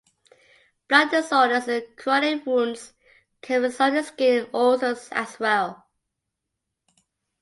Blood disorders and chronic wounds can result in skin ulcers as well.